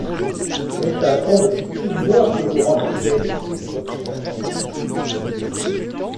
Mais ça attend depuis plus d’une heure que vous rentriez! reprit la portière.